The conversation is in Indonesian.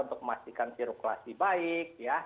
untuk memastikan cirukulasi baik